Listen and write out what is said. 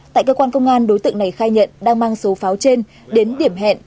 tại cơ quan công an đối tượng này khai nhận đang mang số pháo trên đến điểm hẹn